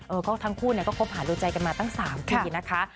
ทั้งคู่เนี่ยก็คบหาดูใจกันมาตั้ง๓ปีนะคะ